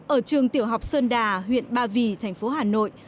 ở trường tiểu học sơn đà huyện ba vì thành phố hà nội